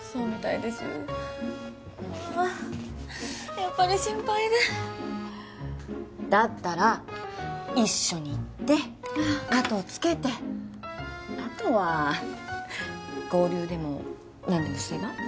やっぱり心配でだったら一緒に行って後つけてあとは合流でも何でもすれば？